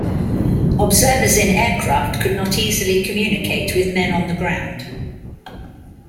Observers in aircraft could not easily communicate with men on the ground.